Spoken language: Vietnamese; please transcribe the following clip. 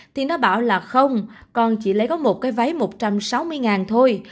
thì nó bảo là không còn chỉ lấy có một cái váy một trăm sáu mươi thôi